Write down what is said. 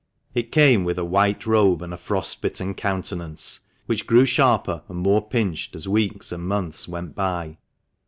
It came with a white robe and a frost bitten countenance, which grew sharper and more pinched as weeks and months went by.